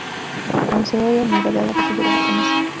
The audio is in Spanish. Conocedora y admiradora de la cultura japonesa.